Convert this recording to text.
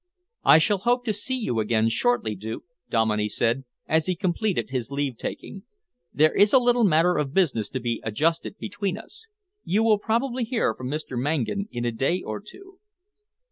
"I shall hope to see you again shortly, Duke," Dominey said, as he completed his leave taking. "There is a little matter of business to be adjusted between us. You will probably hear from Mr. Mangan in a day or two."